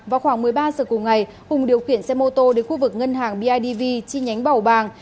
vào khoảng một mươi ba giờ cùng ngày hùng điều khiển xe mô tô đến khu vực ngân hàng bidv chi nhánh bảo bàng